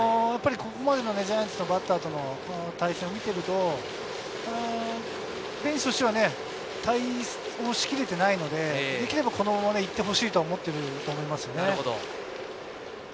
ここまでのジャイアンツのバッターとの対戦を見ると、ベンチとしては対応しきれていないので、できればこのままでいってほしいと思ってると思います。